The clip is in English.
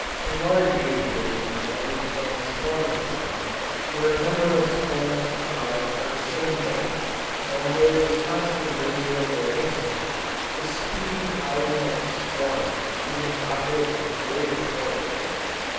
In large Apiaries managed on the swarming plan, where a number of swarms come out on the same day, and there is constant danger of their mixing, the speedy hiving of swarms is an object of great importance.